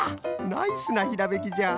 ナイスなひらめきじゃ